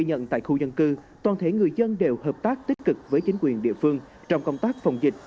chúng ta không bảo vệ công trình phun thuốc khửi trùng